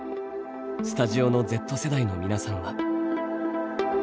スタジオのＺ世代の皆さんは。